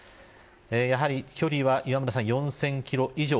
やはり距離は、磐村さん４０００キロ以上。